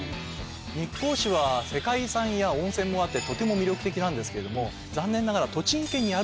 日光市は世界遺産や温泉もあってとても魅力的なんですけれども残念ながら。